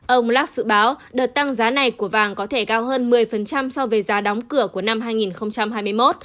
ông las dự báo đợt tăng giá này của vàng có thể cao hơn một mươi so với giá đóng cửa của năm hai nghìn hai mươi một